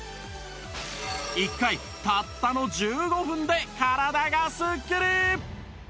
１回たったの１５分で体がスッキリ！